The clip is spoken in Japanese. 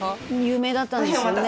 「有名だったんですよね」